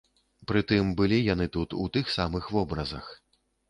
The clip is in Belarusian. Пры тым, былі яны тут у тых самых вобразах.